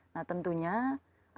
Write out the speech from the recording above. nah tentunya apa yang kita lakukan